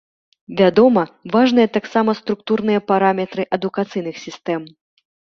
Вядома, важныя таксама структурныя параметры адукацыйных сістэм.